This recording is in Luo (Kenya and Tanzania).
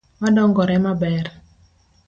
Wadongore maber.